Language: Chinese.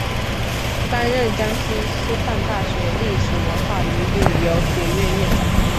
担任江西师范大学历史文化与旅游学院院长。